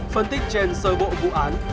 phân tích trên sơ bộ vụ án